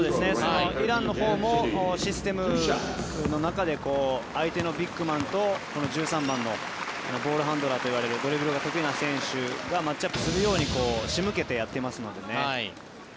イランのほうもシステムの中で相手のビッグマンと１３番のボールハンドラーといわれるドリブルが得意な選手がマッチアップするように仕向けてやっていますのでね。